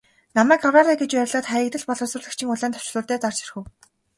Намайг авраарай гэж орилоод Хаягдал боловсруулагчийн улаан товчлуур дээр дарж орхив.